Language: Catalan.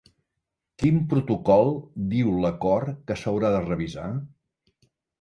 Quin protocol diu l'acord que s'haurà de revisar?